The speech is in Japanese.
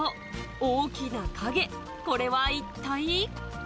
大きな影、これは一体？